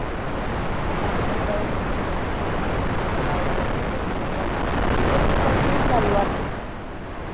Ha participado en importantes producciones como la ópera Don Giovanni de Fundación Baluarte.